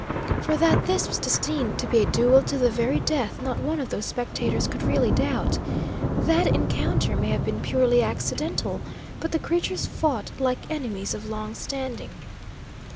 For that this was destined to be a duel to the very death not one of those spectators could really doubt. That encounter may have been purely accidental, but the creatures fought like enemies of long standing.